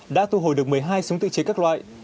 đã thu hồi được một mươi hai súng tự chế các loại